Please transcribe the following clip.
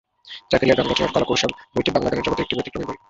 জাকারিয়ার গান রচনার কলাকৌশল বইটি বাংলা গানের জগতে একটি ব্যতিক্রমী বই।